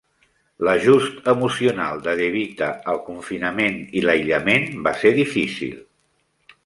L'ajust emocional de DeVita al confinament i l'aïllament va ser difícil.